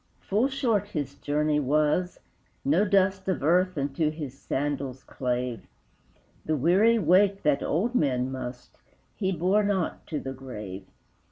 Full short his journey was; no dust Of earth unto his sandals clave; The weary weight that old men must, He bore not to the grave.